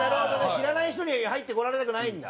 知らない人に入ってこられたくないんだ。